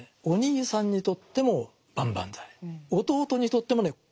お兄さんにとっても万々歳弟にとってもね